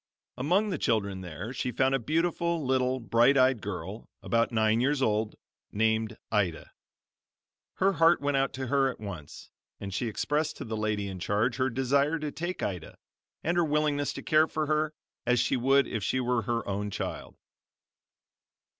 Among the children there she found a beautiful, little, bright eyed girl, about nine years old, named Ida. Her heart went out to her at once and she expressed to the lady in charge her desire to take Ida, and her willingness to care for her as she would if she were her own child.